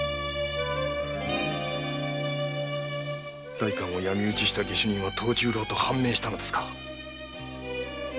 代官を闇討ちした下手人は藤十郎と判明したのですか？